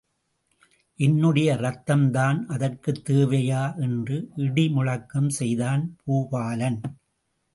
என்னுடைய ரத்தம்தான் அதற்குத் தேவையா என்று? – இடி முழக்கம் செய்தான் பூபாலன்.